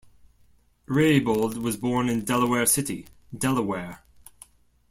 Reybold was born in Delaware City, Delaware.